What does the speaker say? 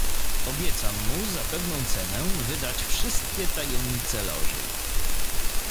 "Obiecam mu za pewną cenę wydać wszystkie tajemnice Loży."